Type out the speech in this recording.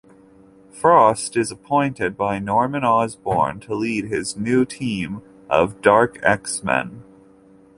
Frost is appointed by Norman Osborn to lead his new team of "Dark X-Men".